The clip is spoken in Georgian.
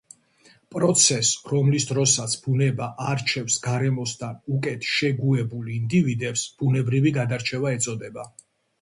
პროცესს, რომლის დროსაც, ბუნება არჩევს გარემოსთან უკეთ შეგუებულ ინდივიდებს, ბუნებრივი გადარჩევა ეწოდება.